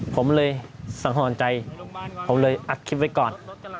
ผมเลยสังหรณ์ใจผมเลยอัดคลิปไว้ก่อน